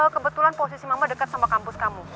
kebetulan posisi mama dekat sama kampus kamu